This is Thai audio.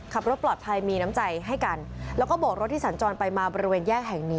ขับรถปลอดภัยมีน้ำใจให้กันแล้วก็โบกรถที่สัญจรไปมาบริเวณแยกแห่งนี้